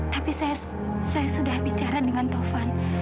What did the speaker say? tapi saya sudah bicara dengan tovan